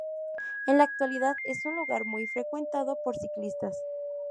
En la actualidad es un lugar muy frecuentado por ciclistas.